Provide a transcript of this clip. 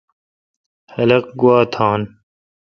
خلق گوا تھان۔